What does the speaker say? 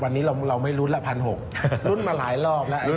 วันนี้เราไม่ลุ้นละ๑๖๐๐ลุ้นมาหลายรอบแล้ว